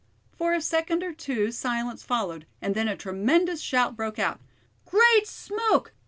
For a second or two silence followed, and then a tremendous shout broke out: "Great smoke!